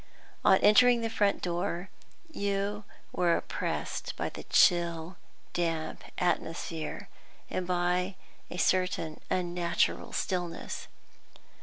On entering the front door you were oppressed by the chill, damp atmosphere, and by a certain unnatural stillness.